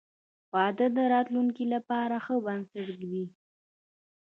• واده د راتلونکي لپاره ښه بنسټ ږدي.